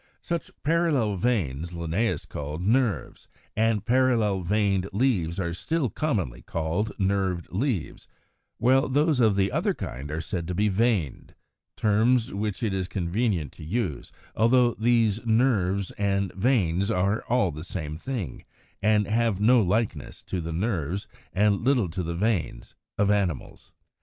Such parallel veins Linnæus called Nerves, and parallel veined leaves are still commonly called nerved leaves, while those of the other kind are said to be veined, terms which it is convenient to use, although these "nerves" and "veins" are all the same thing, and have no likeness to the nerves and little to the veins of animals.